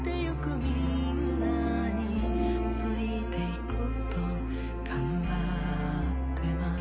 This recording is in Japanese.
皆んなについて行こうと頑張っています